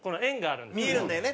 見えるんだよね